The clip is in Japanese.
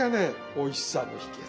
おいしさの秘けつ。